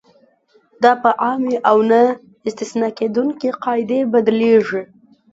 دا په عامې او نه استثنا کېدونکې قاعدې بدلیږي.